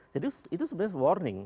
jadi itu sebenarnya warning